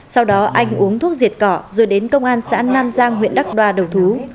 sau đó anh uống thuốc diệt cỏ rồi đến công an xã nam giang huyện đắk đoa đầu thú